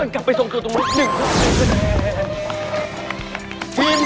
กลับไปทรงตู้ตรงไหน๑ข้อมูล๑คะแนน